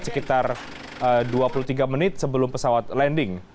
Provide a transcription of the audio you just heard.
sekitar dua puluh tiga menit sebelum pesawat landing